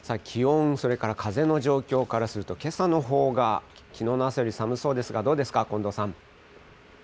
気温、それから風の状況からすると、けさのほうが、きのうの朝より寒そうですが、どうですか、近藤さん。